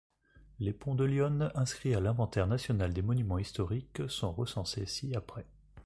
Les ponts de l’Yonne inscrits à l’inventaire national des monuments historiques sont recensés ci-après.